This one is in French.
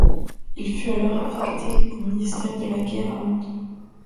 Il fut alors affecté au ministère de la Guerre à Londres.